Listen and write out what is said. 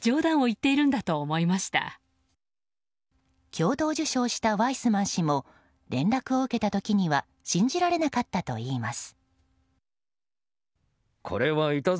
共同受賞したワイスマン氏も連絡を受けた時には信じられなかったといいます。